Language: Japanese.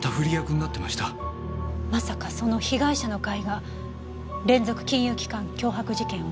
まさかその被害者の会が連続金融機関脅迫事件を？